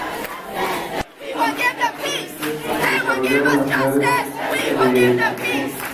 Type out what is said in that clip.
Fue dirigido por John Henderson, y se desarrolla en la ciudad escocesa de Edimburgo.